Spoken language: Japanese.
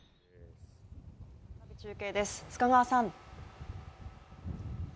中継です、須賀川さん。